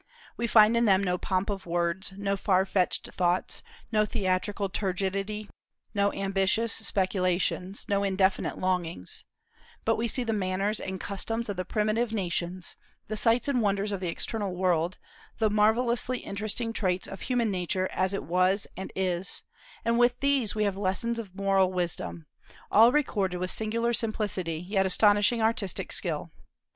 We find in them no pomp of words, no far fetched thoughts, no theatrical turgidity, no ambitious speculations, no indefinite longings; but we see the manners and customs of the primitive nations, the sights and wonders of the external world, the marvellously interesting traits of human nature as it was and is; and with these we have lessons of moral wisdom, all recorded with singular simplicity yet astonishing artistic skill.